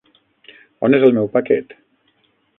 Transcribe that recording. On és el meu paquet?